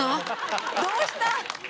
どうした？